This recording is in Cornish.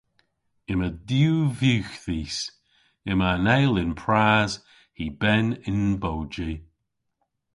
Yma diw vugh dhis. Yma an eyl y'n pras, hy ben y'n bowji.